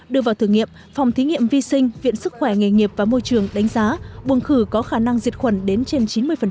đưa vào thử nghiệm phòng thí nghiệm vi sinh viện sức khỏe nghề nghiệp và môi trường đánh giá buồng khử có khả năng diệt khuẩn đến trên chín mươi